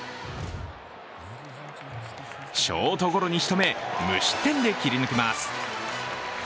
ショートゴロにしとめ無失点で切り抜けます。